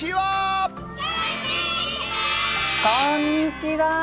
こんにちは。